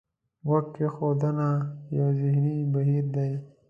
غوږ کېښودنه یو ذهني بهیر دی.